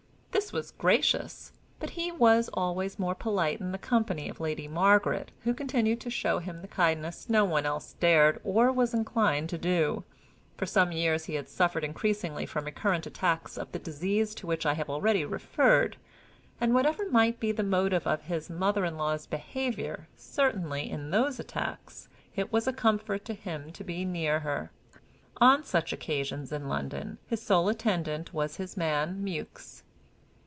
This was gracious; but he was always more polite in the company of Lady Margaret, who continued to show him the kindness no one else dared or was inclined to do. For some years he had suffered increasingly from recurrent attacks of the disease to which I have already referred; and, whatever might be the motive of his mother in law's behavior, certainly, in those attacks, it was a comfort to him to be near her. On such occasions in London, his sole attendant was his man Mewks.